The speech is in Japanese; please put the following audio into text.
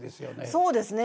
そうですね。